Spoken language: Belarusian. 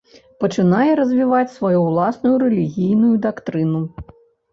Пачынае развіваць сваю ўласную рэлігійную дактрыну.